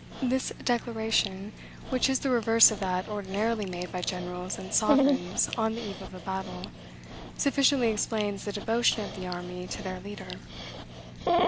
This declaration, which is the reverse of that ordinarily made by generals and sovereigns on the eve of a battle, sufficiently explains the devotion of the army to their leader.